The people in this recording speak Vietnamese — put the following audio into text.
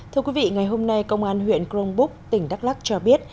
thưa quý vị ngày hôm nay công an huyện cronbuk tỉnh đắk lắc cho biết